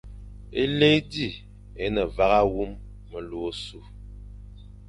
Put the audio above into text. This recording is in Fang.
Éli zi é ne hagha wum melu ôsu,